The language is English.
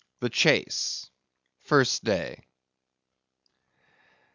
The Chase—First Day.